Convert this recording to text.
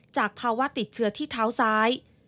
จากภาวะติดเชื้อที่เท้าซ้าย